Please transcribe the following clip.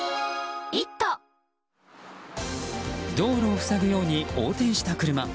道路を塞ぐように横転した車。